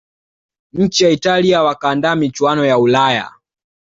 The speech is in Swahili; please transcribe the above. nchi ya italia wakaandaa michuano ya ulaya